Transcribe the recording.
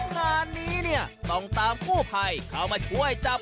งานนี้เนี่ยต้องตามกู้ภัยเข้ามาช่วยจับ